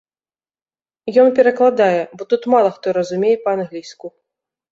Ён перакладае, бо тут мала хто разумее па-англійску.